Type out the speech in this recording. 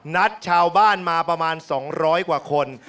นัดชาวบ้านมาประมาณ๒๐๐กว่าคน